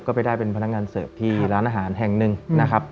ก็ไปได้เป็นพนักงานเสิร์ฟที่ร้านอาหารแห่งหนึ่งนะครับ